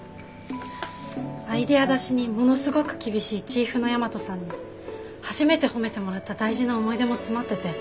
アイデア出しにものすごく厳しいチーフの大和さんに初めて褒めてもらった大事な思い出も詰まってて。